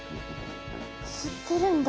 吸ってるんだ。